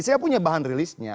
saya punya bahan rilisnya